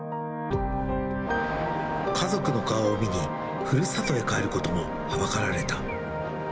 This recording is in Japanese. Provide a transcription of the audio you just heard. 家族の顔を見に、ふるさとへ帰ることもはばかられた。